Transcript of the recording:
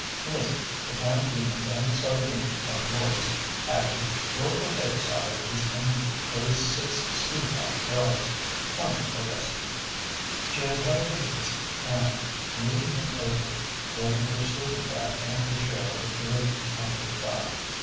Lizzie, the canned beans and the sardines are yours. Aggie, your potato salad is in those six screw top jars. Come, Modestine." She untied the beast and, leading him over, loaded her sleeping bag and her share of the provisions on his back.